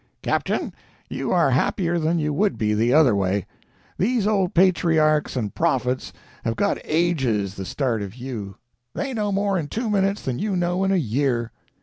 "Captain, you are happier than you would be, the other way. These old patriarchs and prophets have got ages the start of you; they know more in two minutes than you know in a year.